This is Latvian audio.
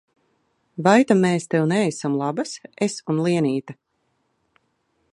Vai ta mēs tev neesam labas, es un Lienīte?